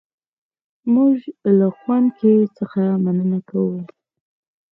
موږ له ښوونکي څخه مننه کوو.